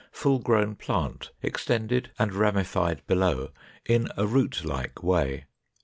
Full grown plant, extended and ramified below in a root like way.